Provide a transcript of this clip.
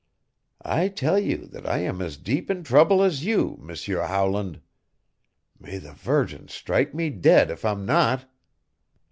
I tell you that I am as deep in trouble as you, M'seur Howland. May the Virgin strike me dead if I'm not!"